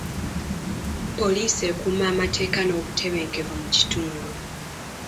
Poliisi ekuuma amateeka n'obutebenkevu mu kitundu.